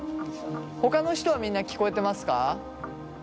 ほかの人はみんな聞こえてますか？